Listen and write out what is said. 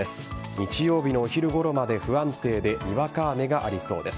日曜日のお昼ごろまで不安定でにわか雨がありそうです。